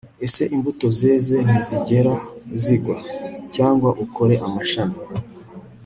ese imbuto zeze ntizigera zigwa? cyangwa ukore amashami